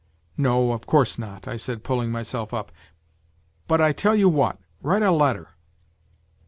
" No, of course not/' I said pulling myself up; " but I tell you what, write a letter."